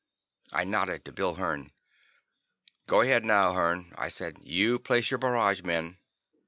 I nodded to Bill Hearn. "Go ahead now, Hearn," I said, "and place your barrage men."